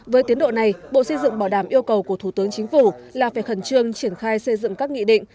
với tiến độ này bộ xây dựng bảo đảm yêu cầu của thủ tướng chính phủ là phải khẩn trương triển khai xây dựng các nghị định